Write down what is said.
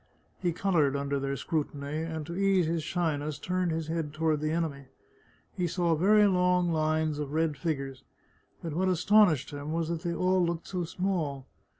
He col oured under their scrutiny, and, to ease his shyness, turned his head toward the enemy. He saw very long lines of red figures, but what astonished him was that they all looked so small.